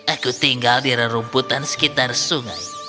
aku tinggal di rumputan di sekitar sungai